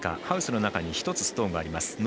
ハウスの中に１つストーンがあります。